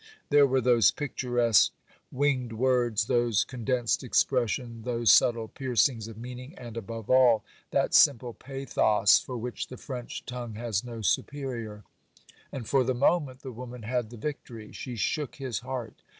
There were those picturesque, winged words, those condensed expressions, those subtle piercings of meaning, and above all, that simple pathos for which the French tongue has no superior; and for the moment the woman had the victory; she shook his heart.